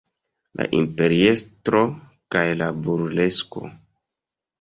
La imperiestro kaj la burlesko.